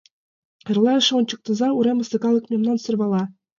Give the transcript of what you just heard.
— Эрла эше ончыктыза, — уремысе калык мемнам сӧрвала.